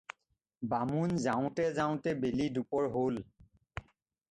বামুণ যাওঁতে যাওঁতে বেলি দুপৰ হ'ল।